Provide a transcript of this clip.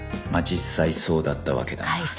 まあ実際そうだったわけだが